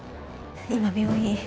今病院。